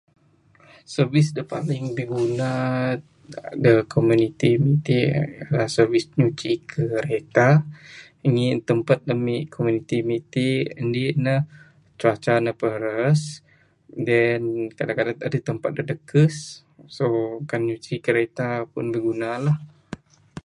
Service de paling biguna, de komuniti mik tik, rak service nyuci kereta, ngin tempat emik komuniti mik tik, indi ne cuaca ne peras, than kadang-kadang tempat de dekes, so kan nyuci kereta pun de guna ne lah.